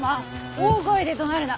「大声でどなるな。